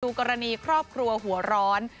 กรณีครอบครัวหัวร้อน